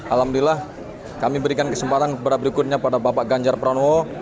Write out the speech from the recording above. alhamdulillah kami berikan kesempatan kepada berikutnya pada bapak ganjar pranowo